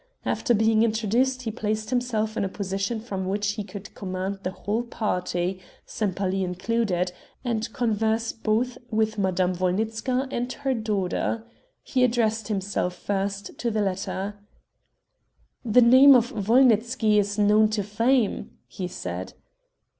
After being introduced he placed himself in a position from which he could command the whole party, Sempaly included, and converse both with Madame Wolnitzka and her daughter. He addressed himself first to the latter. "The name of Wolnitzky is known to fame," he said.